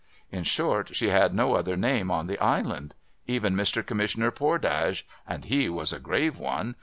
In short, she had no other name on the island. Even Mr. Commissioner Pordage (and he was a grave one